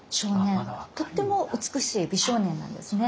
とっても美しい美少年なんですね。